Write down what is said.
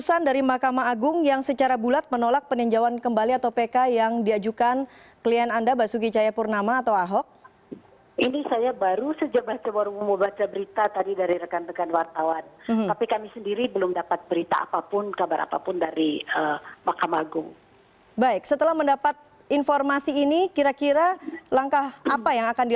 what's the date clogging found onu dan jika dapat acc dan lhp proposital dari